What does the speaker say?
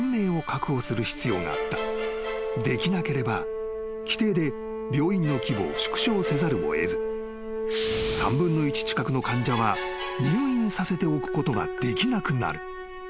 ［できなければ規定で病院の規模を縮小せざるを得ず３分の１近くの患者は入院させておくことができなくなる］